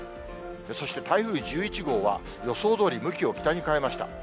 そして、台風１１号は予想どおり、向きを北に変えました。